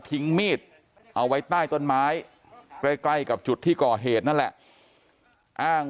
มีดเอาไว้ใต้ต้นไม้ใกล้กับจุดที่ก่อเหตุนั่นแหละอ้าง